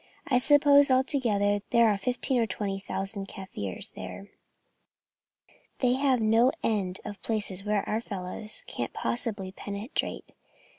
I suppose, altogether, there are fifteen or twenty thousand Kaffirs there. They have no end of places where our fellows can't possibly penetrate.